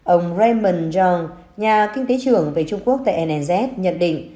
ông raymond zhang nhà kinh tế trưởng về trung quốc tại anz nhận định